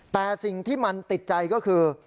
แต่สิ่งที่มันติดใจก็คือ